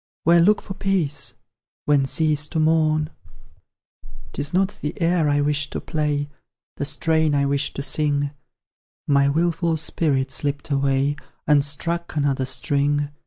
Where look for peace? When cease to mourn? 'Tis not the air I wished to play, The strain I wished to sing; My wilful spirit slipped away And struck another string.